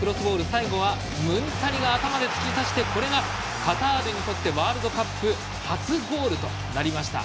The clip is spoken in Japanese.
最後はムンタリが頭で突き刺してこれがカタールにとってワールドカップ初ゴールとなりました。